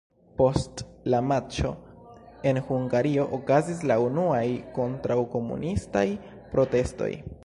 Post la matĉo en Hungario okazis la unuaj kontraŭ-komunistaj protestoj.